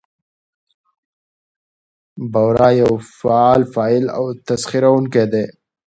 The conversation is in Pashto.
بورا يو فعال فاعل او تسخيروونکى دى؛